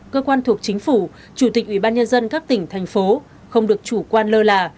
cơ quan thuộc chính phủ chủ tịch ủy ban nhân dân các tỉnh thành phố không được chủ quan lơ là